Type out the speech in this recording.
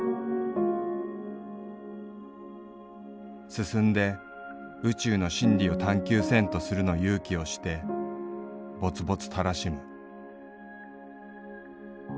「進んで宇宙の真理を探究せんとするの勇気をして勃々たらしむ」。